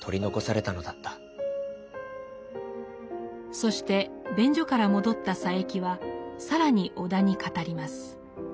そして便所から戻った佐柄木は更に尾田に語ります。